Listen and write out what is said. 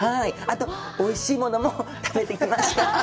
あと、おいしいものも食べてきました。